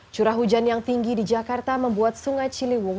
curah hujan yang tinggi di jakarta membuat sungai ciliwung